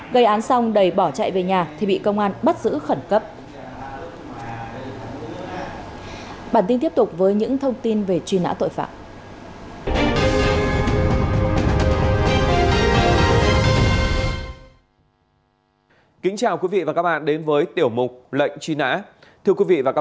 gây án xong đầy bỏ chạy về nhà thì bị công an bắt giữ khẩn cấp